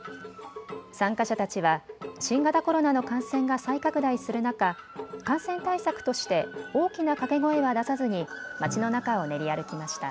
参加者たちは新型コロナの感染が再拡大する中、感染対策として大きなかけ声は出さずにまちの中を練り歩きました。